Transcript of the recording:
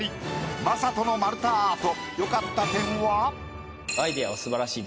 魔裟斗の丸太アート。